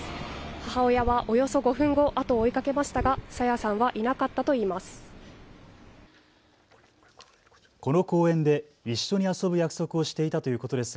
母親はおよそ５分後、後を追いかけましたが朝芽さんはいなかったといいます。